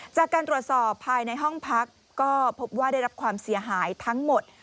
จากการตรวจสอบภายในห้องพักก็พบว่าได้รับความเสียหายทั้งหมด